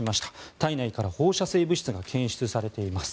体内から放射性物質が検出されています。